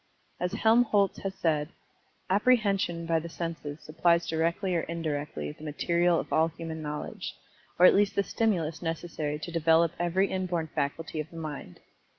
As Helmholtz has said, "Apprehension by the senses supplies directly or indirectly, the material of all human knowledge, or at least the stimulus necessary to develop every inborn faculty of the mind."